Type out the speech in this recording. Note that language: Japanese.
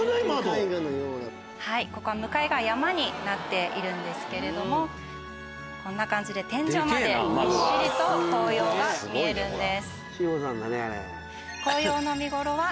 ここは向かいが山になっているんですけれどもこんな感じで天井までびっしりと紅葉が見えるんです。